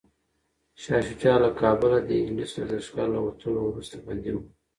شاه شجاع له کابله د انګلیس د لښکر له وتلو وروسته بندي و.